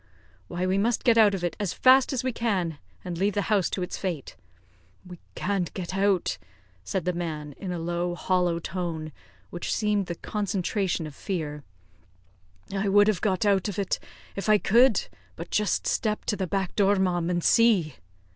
"Why, we must get out of it as fast as we can, and leave the house to its fate." "We can't get out," said the man, in a low, hollow tone, which seemed the concentration of fear; "I would have got out of it if I could; but just step to the back door, ma'am, and see."